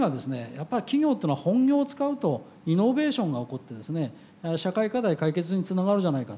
やっぱり企業っていうのは本業を使うとイノベーションが起こってですね社会課題解決につながるじゃないか。